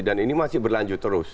dan ini masih berlanjut terus